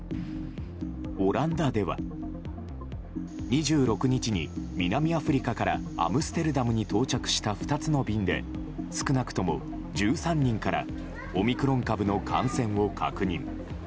オランダでは２６日に南アフリカからアムステルダムに到着した２つの便で少なくとも１３人からオミクロン株の感染を確認。